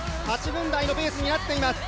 ８分台のペースになっています。